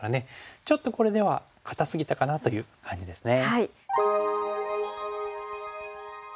ちょっとこれでは堅すぎたかなという感じですね。